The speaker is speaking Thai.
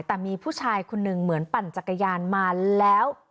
แต่มีผู้ชายคนหนึ่งเหมือนปั่นจักรยานมาแล้ว